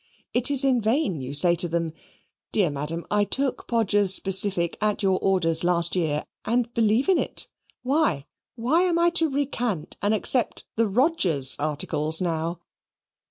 It is in vain you say to them, "Dear Madam, I took Podgers' specific at your orders last year, and believe in it. Why, why am I to recant and accept the Rodgers' articles now?"